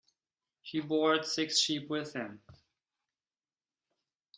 He brought six sheep with him.